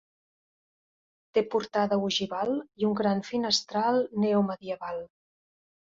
Té portada ogival i un gran finestral neomedieval.